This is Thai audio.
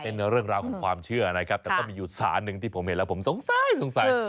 เป็นเรื่องราวของความเชื่อนะครับแต่ก็มีอยู่สารหนึ่งที่ผมเห็นแล้วผมสงสัยสงสัย